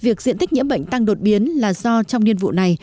việc diện tích nhiễm bệnh tăng đột biến là do trong niên vụ này